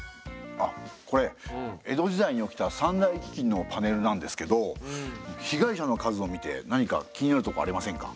あっこれ江戸時代に起きた三大ききんのパネルなんですけど被害者の数を見て何か気になるとこありませんか？